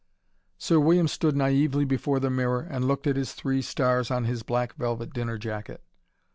Sir William stood naively before the mirror and looked at his three stars on his black velvet dinner jacket.